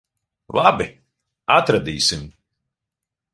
Labi. Atradīsim.